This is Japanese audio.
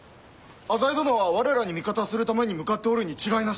浅井殿は我らに味方するために向かっておるに違いなし！